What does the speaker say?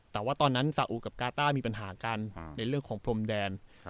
แต่ว่าตอนนั้นสาอุกับกาต้ามีปัญหากันในเรื่องของพรมแดน